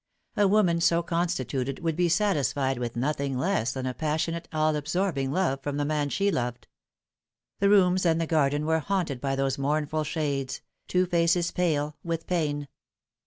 A woman so constituted would be satisfied with nothing less than a passionate, all absorbing love from the man she loved. The rooms and the garden were haunted by those mournful shades two faces pale with pain.